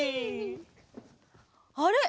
あれ？